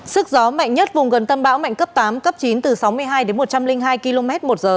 sức gió mạnh nhất vùng gần tâm bão mạnh cấp tám cấp chín từ sáu mươi hai đến một trăm linh hai km một giờ